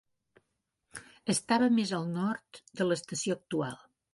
Estava més al nord que l'estació actual.